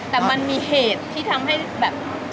แต่มันมีเหตุที่ทำให้แบบ